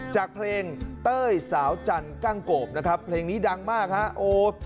จากเพลงเต้ยสาวจันกั้งโกบนะครับเพลงนี้ดังมากฮะโอ้